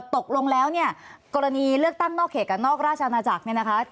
ตกลงแล้วกรณีเลือกตั้งนอกเหตุการณ์นอกราชนาจักร